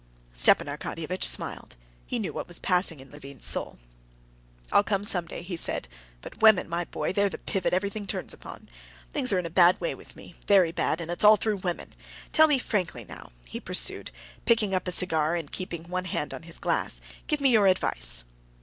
Stepan Arkadyevitch smiled. He knew what was passing in Levin's soul. "I'll come some day," he said. "But women, my boy, they're the pivot everything turns upon. Things are in a bad way with me, very bad. And it's all through women. Tell me frankly now," he pursued, picking up a cigar and keeping one hand on his glass; "give me your advice."